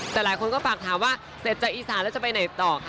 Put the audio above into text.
แต่หลายคนก็พากายถามว่าเสร็จจะอีซาร์แล้วจะไปไหนต่อ